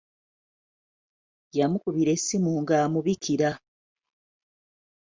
Yamukubira essimu ng'amubikira.